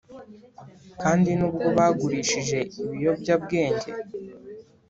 kandi nubwo bagurishije ibiyobyabwenge